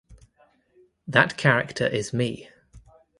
That character is me.